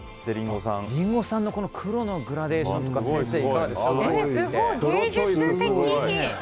リンゴさんの黒のグラデーションとかすごい！芸術的。